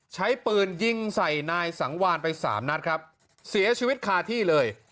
ใช้ปืนยิงใส่นายสังวานไปสามนัดครับเสียชีวิตคาที่เลย